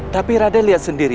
tapi raden lihat sendiri